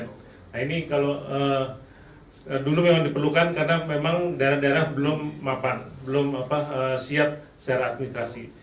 nah ini kalau dulu memang diperlukan karena memang daerah daerah belum mapan belum siap secara administrasi